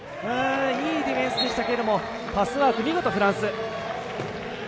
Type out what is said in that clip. いいディフェンスでしたけれどもパスワーク、見事フランス。